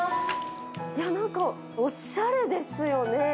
なんか、おしゃれですよね。